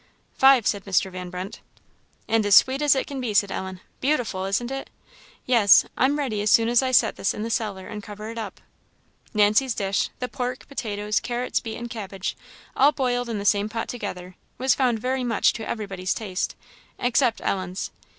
"Five," said Mr. Van Brunt. "And as sweet as it can be," said Ellen. "Beautiful, isn't it? Yes, I'm ready as soon as I set this in the cellar and cover it up." Nancy's dish the pork, potatoes, carrots, beets, and cabbage, all boiled in the same pot together was found very much to everybody's taste, except Ellen's.